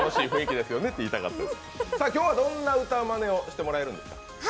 今日はどんな歌まねをしていただけるんですか。